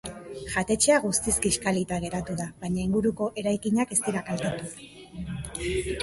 Jatetxea guztiz kiskalita geratu da, baina inguruko eraikinak ez dira kaltetu.